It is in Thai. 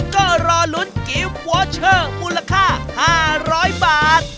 ก็รอลุ้นกิฟต์วอเชอร์มูลค่า๕๐๐บาท